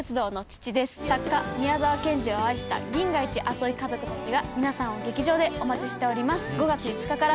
作家宮沢賢治を愛した銀河一熱い家族たちが皆さんを劇場でお待ちしております。